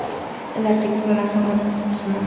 El artículo ""La"" forma parte de su nombre oficial.